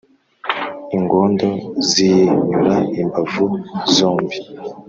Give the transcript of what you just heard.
ingondo ziyinyura imbavu zombi